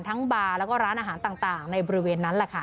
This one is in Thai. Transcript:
บาร์แล้วก็ร้านอาหารต่างในบริเวณนั้นแหละค่ะ